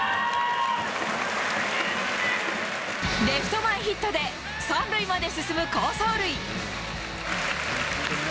レフト前ヒットで３塁まで進む好走塁。